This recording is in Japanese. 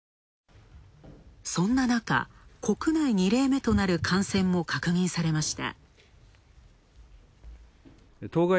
そんななか、国内２例目となる感染も確認されました。